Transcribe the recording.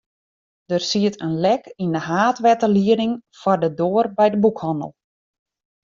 Der siet in lek yn de haadwetterlieding foar de doar by de boekhannel.